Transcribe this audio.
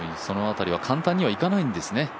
その辺りは簡単にはいかないんですね